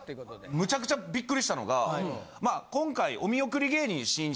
むちゃくちゃビックリしたのが今回。